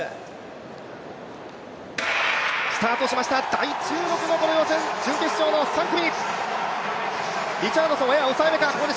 大注目の予選、準決勝の３組。